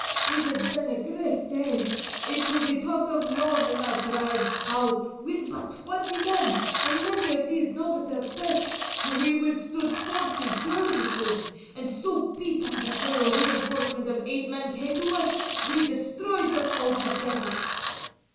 it has been a great day; it will be talked of long in our tribe, how, with but twenty men, and many of these not at their best, we withstood forty dervishes, and so beat them that when a reinforcement of eight men came to us we destroyed them altogether."